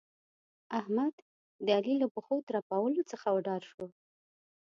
احمد؛ د علي له پښو ترپولو څخه وډار شو.